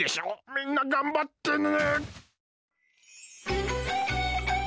みんながんばってね！